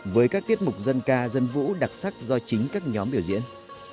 với các tiết mục dân ca dân vũ đặc sắc do chính các nhóm biểu diễn